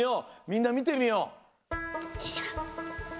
みんなみてみよう。